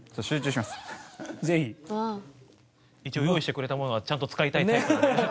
ぜひ。用意してくれたものはちゃんと使いたいタイプなので。